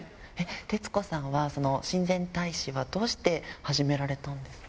徹子さんは親善大使はどうして始められたんですか？